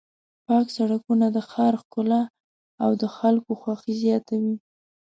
پاک سړکونه د ښار ښکلا او د خلکو خوښي زیاتوي.